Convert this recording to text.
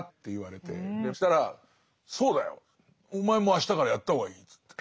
そしたら「そうだよ。お前もあしたからやった方がいい」って言って。